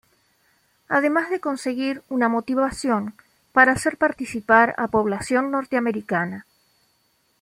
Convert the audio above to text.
Además de conseguir una motivación para hacer participar a población norteamericana.